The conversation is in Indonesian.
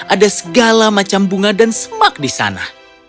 ada segala macam bunga dan semak di sana